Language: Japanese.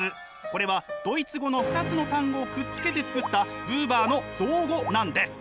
これはドイツ語の２つの単語をくっつけて造ったブーバーの造語なんです。